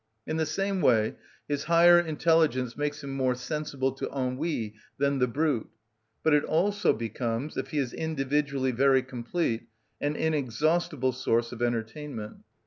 In the same way his higher intelligence makes him more sensible to ennui than the brute; but it also becomes, if he is individually very complete, an inexhaustible source of entertainment.